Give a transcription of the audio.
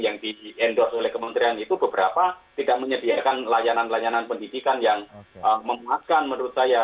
yang di endorse oleh kementerian itu beberapa tidak menyediakan layanan layanan pendidikan yang memuaskan menurut saya